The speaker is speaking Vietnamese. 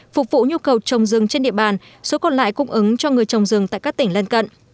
phục vụ nhu cầu trồng rừng trên địa bàn số còn lại cung ứng cho người trồng rừng tại các tỉnh lân cận